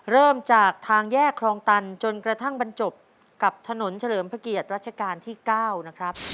เริ่มจากทางแยกคลองตันจนกระทั่งบรรจบกับถนนเฉลิมพระเกียรติรัชกาลที่๙นะครับ